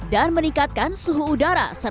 dan meningkatkan suhu udara serta berkurangan science dcr